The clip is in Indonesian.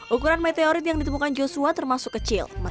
ukuran meteorit yang ditemukan joshua termasuk kecil